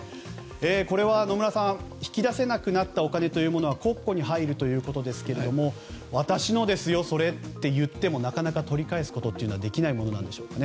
これは野村さん引き出せなくなったお金は国庫に入るということですけれども私のですよ、それといってもなかなか取り返すことはできないものなんですかね。